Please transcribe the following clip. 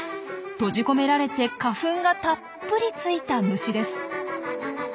閉じ込められて花粉がたっぷりついた虫です。